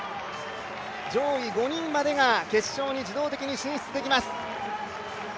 上位５人までが、決勝に自動的に進出できます。